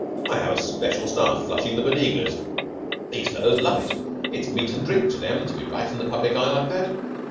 I have a special staff flushing the Bodegas. These fellows love it. It's meat and drink to them to be right in the public eye like that.